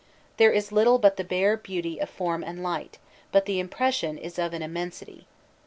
There is little but the bare beauty of form and light, but the impression is of an immensity.